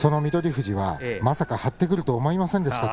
富士はまさか張ってくると思いませんでした。